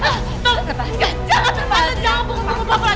tangankamu sama gue